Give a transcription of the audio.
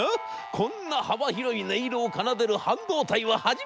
こんな幅広い音色を奏でる半導体は初めてだ』。